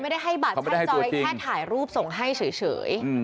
จอยไม่ได้ให้บัตรถ้าจอยแค่ถ่ายรูปส่งให้เฉย